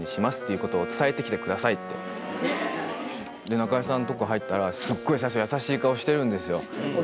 中居さんとこ入ったらすっごい最初優しい顔してるんですよ。